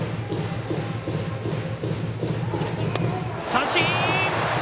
三振！